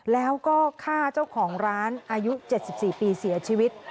แล้วก็ฆ่าเจ้าของร้านอายุ๗๔ปีเสียชีวิต